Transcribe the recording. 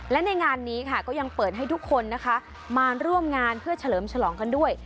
และในงานนี้ค่ะก็ยังเปิดให้ทุกคนนะคะมาร่วมงานเพื่อเฉลิมฉลองกันด้วย